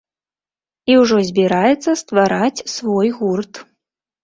І ўжо збіраецца ствараць свой гурт.